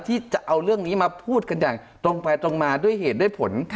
ที่จะเอาเรื่องนี้มาพูดกันอย่างตรงไปตรงมาด้วยเหตุด้วยผล